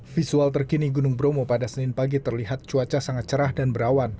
visual terkini gunung bromo pada senin pagi terlihat cuaca sangat cerah dan berawan